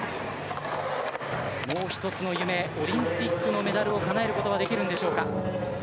もう１つの夢、オリンピックのメダルをかなえることはできるんでしょうか。